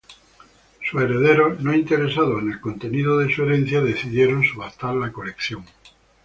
Sus herederos, no interesados en el contenido de su herencia, decidieron subastar la colección.